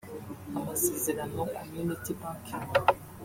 Amasezerano Community Banking